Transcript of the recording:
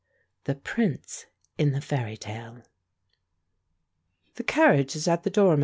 THE PRINCE IN THE FAIRY TALE ''The carnage is at the door.